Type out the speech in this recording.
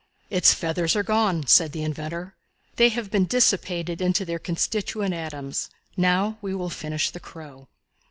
"Its feathers are gone," said the inventor; "they have been dissipated into their constituent atoms. Now, we will finish the crow."